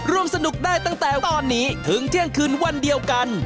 ร่วมสนุกได้ตั้งแต่ตอนนี้ถึงเที่ยงคืนวันเดียวกัน